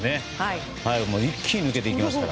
一気に抜けていきましたから。